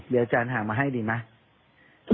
เดี๋ยวอาจารย์หามาให้ดีไหม